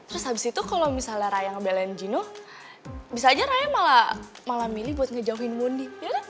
terus habis itu kalau misalnya raya ngebelain jenuh bisa aja raya malah milih buat ngejauhin moony